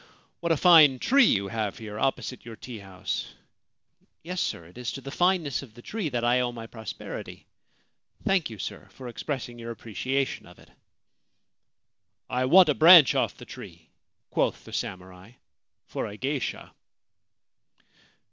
c What a fine tree you have here opposite your tea house !'' Yes, sir : it is to the fineness of the tree that I owe my prosperity. Thank you, sir, for expressing your apprecia tion of it.' < 1 want a branch off the tree/ quoth the samurai, 4 for a geisha.'